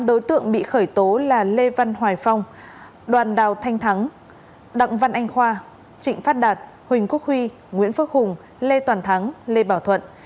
năm đối tượng bị khởi tố là lê văn hoài phong đoàn đào thanh thắng đặng văn anh khoa trịnh phát đạt huỳnh quốc huy nguyễn phước hùng lê toàn thắng lê bảo thuận